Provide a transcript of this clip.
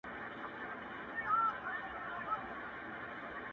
نجلۍ خواست مي درته کړی چي پر سر دي منګی مات سي،